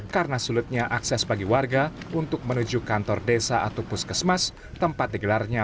karena sulitnya akses bagi warga untuk menuju kantor desa atau puskesmas tempat digelarnya